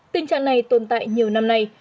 tình trạng này tồn tại nhiều năm nay